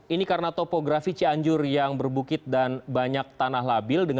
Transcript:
ini karena topografi cianjur yang berbukit dan banyak tanah labil